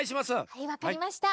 はいわかりました。